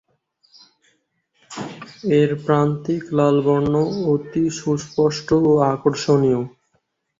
এর প্রান্তিক লাল বর্ণ অতি সুস্পষ্ট ও আকর্ষণীয়।